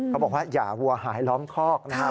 บอกว่าอย่าวัวหายล้อมคอกนะครับ